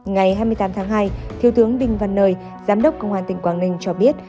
ngày hai mươi tám tháng hai thiếu tướng đinh văn nơi giám đốc công an tỉnh quảng ninh cho biết